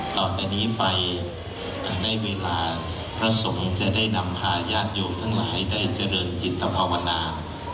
ต่อจากนี้ไปจะได้เวลาพระสงฆ์จะได้นำพาญาติโยมทั้งหลายได้เจริญจิตภาวนา